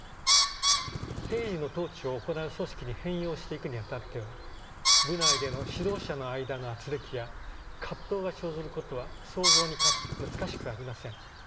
平時の統治を行う組織に変容していくにあたっては部内での指導者の間のあつれきや葛藤が生ずることは想像に難しくありません。